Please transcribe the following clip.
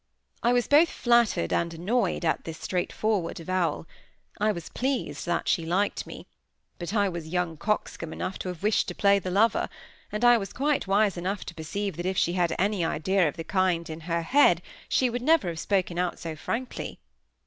I was both flattered and annoyed at this straightforward avowal. I was pleased that she liked me; but I was young coxcomb enough to have wished to play the lover, and I was quite wise enough to perceive that if she had any idea of the kind in her head she would never have spoken out so frankly.